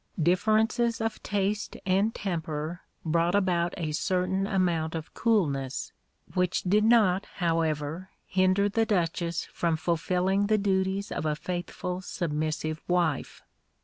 Differences of taste and temper brought about a certain amount of coolness, which did not, however, hinder the Duchess from fulfilling the duties of a faithful, submissive wife.